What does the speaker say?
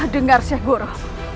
dengar syekh goro